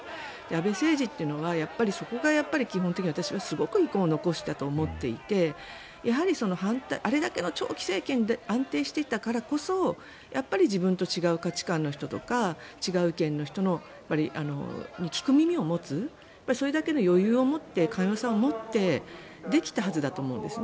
安倍政治というのはそこがやっぱり基本的にはすごく遺恨を残したと思っていてやはり、あれだけの長期政権で安定していたからこそ自分と違う価値観の人とか違う意見の人に、聞く耳を持つそれだけの余裕を持って寛容さを持ってできたはずだと思うんです。